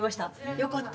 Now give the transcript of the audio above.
よかった。